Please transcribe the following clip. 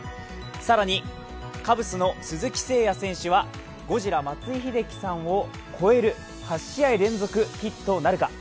更に、カブスの鈴木誠也選手はゴジラ松井秀喜さんを超える８試合連続ヒットなるか。